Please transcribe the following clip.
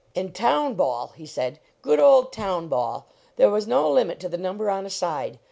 "And town ball," he said, "good old town ball ! There was no limit to the num ber on a side.